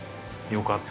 よかった。